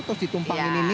terus ditumpangin ini